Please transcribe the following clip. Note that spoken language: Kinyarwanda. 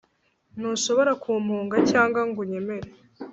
Ntushobora kumpunga cyangwa ngo unyemere